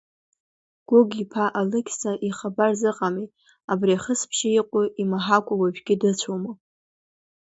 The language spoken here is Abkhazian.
Гәыгә-иԥа Алықьса ихабар зыҟами, абри ахысбжьы иҟоу имаҳакәа уажәгьы дыцәоума?!